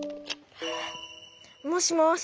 もしもし。